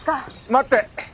待って！